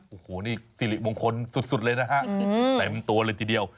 โอ้โหนี่สิริมงคลสุดเลยนะฮะเต็มตัวเลยทีเดียว